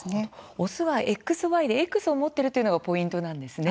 オスはＸＹでＸを持っているのがポイントなんですね。